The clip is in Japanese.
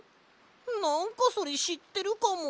なんかそれしってるかも！